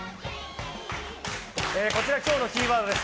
今日のキーワードです。